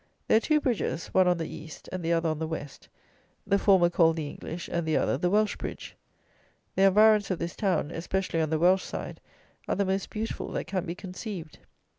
There are two bridges, one on the east, and the other on the west; the former called the English, and the other, the Welsh bridge. The environs of this town, especially on the Welsh side, are the most beautiful that can be conceived.